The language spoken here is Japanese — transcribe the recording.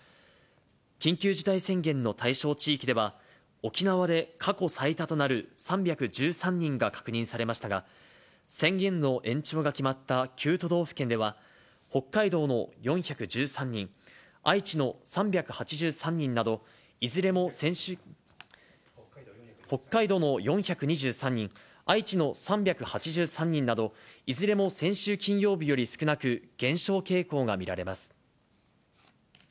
緊急事態宣言の対象地域では、沖縄で過去最多となる３１３人が確認されましたが、宣言の延長が決まった９都道府県では、北海道の４１３人、愛知の３８３人など、北海道の４２３人、愛知の３８３人など、いずれも先週金曜日より少なく、減少傾向が見られます。